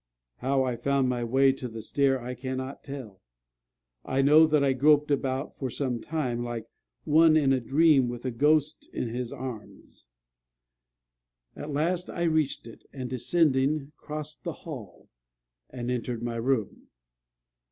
How I found my way to the stair I cannot tell: I know that I groped about for some time, like one in a dream with a ghost in his arms. At last I reached it, and descending, crossed the hall, and entered my room.